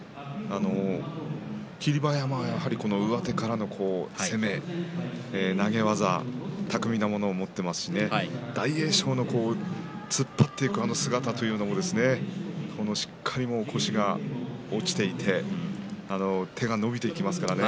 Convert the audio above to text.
霧馬山はやはり上手からの攻め投げ技、巧みなものを持っていますし大栄翔の突っ張っていくあの姿というのもですねしっかりと腰が落ちていて手が伸びていきますからね。